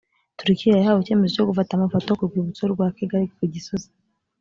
turikiya yahawe icyemezo cyo gufata amafoto ku rwibutso rwa kigali ku gisozi